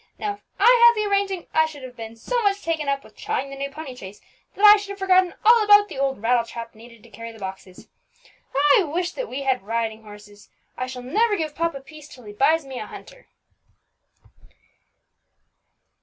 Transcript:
Now if I had had the arranging, I should have been so much taken up with trying the new pony chaise, that I should have forgotten all about the old rattle trap needed to carry the boxes. I wish that we had riding horses. I shall never give papa peace till he buys me a hunter."